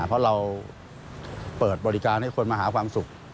เพราะเราเปิดบริการให้คนมาหาความสุข